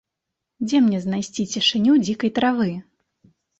Дзе мне знайсці цішыню дзікай травы?